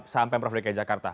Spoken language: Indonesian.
saham pemprov dki jakarta